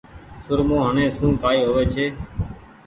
سرمو هڻي سون ڪآئي هووي ڇي۔